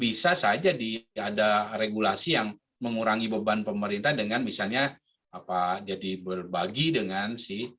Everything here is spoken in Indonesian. sepuluh jutaan lah misalnya nah ini bisa saja ada regulasi yang mengurangi beban pemerintah dengan misalnya jadi berbagi dengan si